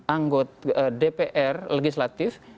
anggota dpr legislatif